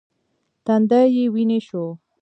تندی یې ویني شو .